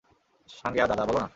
সাঙ্গেয়া দাদা, বলো না।